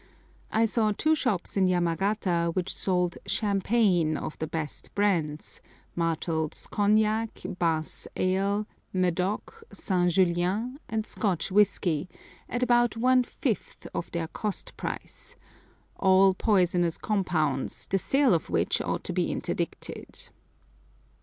I saw two shops in Yamagata which sold champagne of the best brands, Martel's cognac, Bass' ale, Medoc, St. Julian, and Scotch whisky, at about one fifth of their cost price—all poisonous compounds, the sale of which ought to be interdicted.